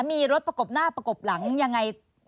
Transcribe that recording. มีรถประกบหน้าประกบหลังยังไง